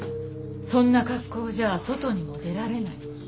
そんな格好じゃ外にも出られない。